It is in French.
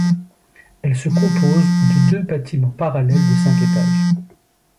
Elle se compose de deux bâtiments parallèles de cinq étages.